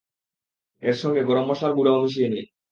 এর সঙ্গে গরম মসলার গুঁড়াও মিশিয়ে দিন।